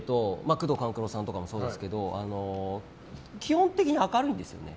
宮藤官九郎さんもそうですけど基本的に明るいんです。